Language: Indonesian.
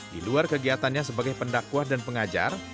di luar kegiatannya sebagai pendakwah dan pengajar